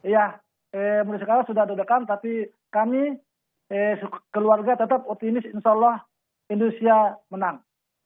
ya mulai sekarang sudah ada dekan tapi kami sekeluarga tetap otinis insya allah indonesia menang